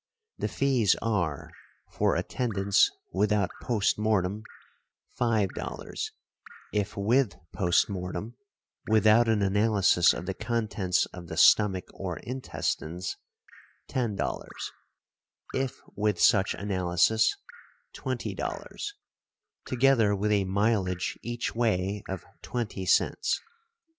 The fees are, for attendance without post mortem $5, if with post mortem, without an analysis of the contents of the stomach or intestines, $10; if with such analysis, $20; together with a mileage each way of twenty cents.